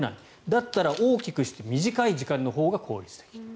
だったら大きくして短い時間のほうが効率的。